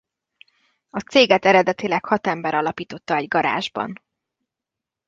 A céget eredetileg hat ember alapította egy garázsban.